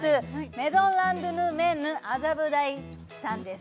メゾンランドゥメンヌ麻布台さんです